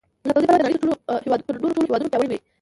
له پوځي پلوه د نړۍ تر نورو ټولو هېوادونو پیاوړي وي.